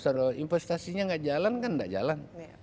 terlalu investasinya tidak jalan kan tidak jalan